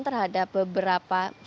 pemeriksaan terhadap beberapa pemeriksaan